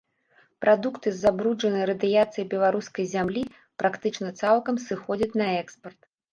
Прадукты з забруджанай радыяцыяй беларускай зямлі практычна цалкам сыходзяць на экспарт.